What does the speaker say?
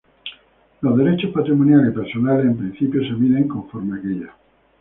Los derechos patrimoniales y personales, en principio, se miden conforme aquella.